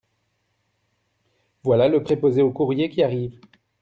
Voilà le préposé au courrier qui arrive.